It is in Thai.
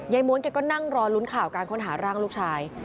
ม้วนแกก็นั่งรอลุ้นข่าวการค้นหาร่างลูกชาย